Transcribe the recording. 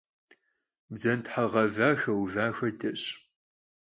Bdzanthe ğeva xeuva xuedeş.